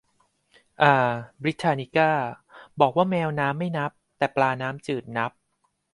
อา บริทานิกา บอกว่าแมวน้ำไม่นับ แต่ปลาน้ำจืดนับ